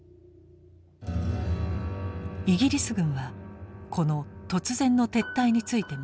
イギリス軍はこの突然の撤退についても